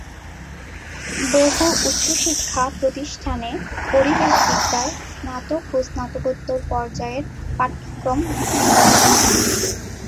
বহু উচ্চশিক্ষা প্রতিষ্ঠানে পরিবেশ বিদ্যায় স্নাতক ও স্নাতকোত্তর পর্যায়ের পাঠ্যক্রম বিদ্যমান।